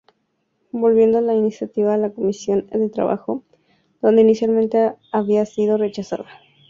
Volviendo la iniciativa a la comisión de Trabajo, donde inicialmente había sido rechazada.